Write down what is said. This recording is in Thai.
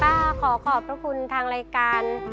ป้าขอขอบบทุกคนทางรายการ